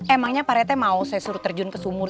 emangnya pak rete mau saya suruh terjun ke sumur